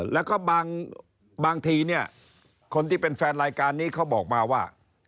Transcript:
แล้วก็บางทีเนี่ยคนที่เป็นแฟนรายการนี้เขาบอกมาว่า